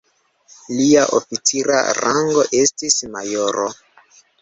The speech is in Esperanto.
Lia oficira rango estis majoro.